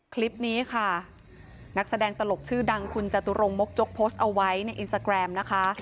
คลิปนี้ค่ะนักแสดงตลกชื่อดังคุณจตุรงมกจกโพสต์เอาไว้ในอินสตาแกรมนะคะ